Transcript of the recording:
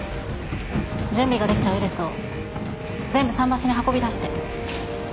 準備ができたウイルスを全部桟橋に運び出して。